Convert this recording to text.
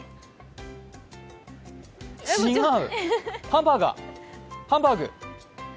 ハンバーガー、ハンバーグ？